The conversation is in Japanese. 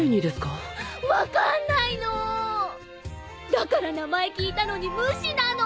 だから名前聞いたのに無視なの。